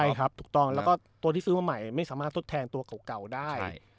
ใช่ครับถูกต้องแล้วก็ตัวที่ซื้อมาใหม่ไม่สามารถทดแทนตัวเก่าได้